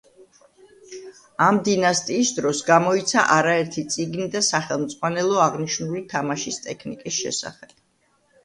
ამ დინასტიის დროს გამოიცა არაერთი წიგნი და სახელმძღვანელო აღნიშნული თამაშის ტექნიკის შესახებ.